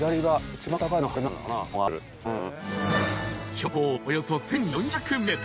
標高およそ１，４００ｍ。